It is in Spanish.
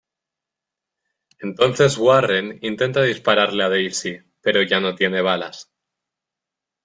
Entonces Warren intenta dispararle a Daisy, pero ya no tiene balas.